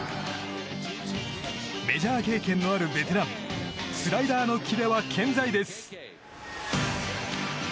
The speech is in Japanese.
メジャー経験のあるベテランスライダーのキレは健在です。